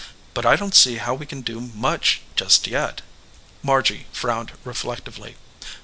But I don t see how we can do much just yet." Margy frowned reflectively.